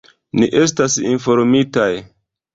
Ni estas informitaj.